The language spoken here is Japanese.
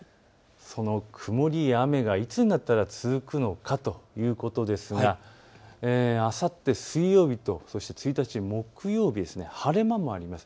その曇りや雨がいつになったら続くのかということですがあさって水曜日と１日、木曜日晴れ間もあります。